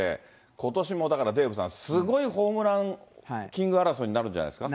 ことしもだからデーブさん、すごいホームランキング争いになるんじゃないですか。